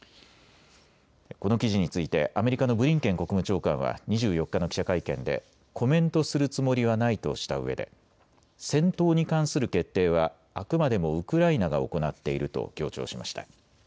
この記事についてアメリカのブリンケン国務長官は２４日の記者会見でコメントするつもりはないとしたうえで戦闘に関する決定はあくまでもウクライナが行っていると強調しました。